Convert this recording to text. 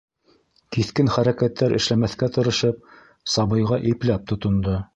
Киҫкен хәрәкәттәр эшләмәҫкә тырышып сабыйға ипләп тотондо.